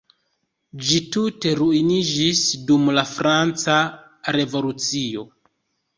Ĝi tute ruiniĝis dum la franca revolucio.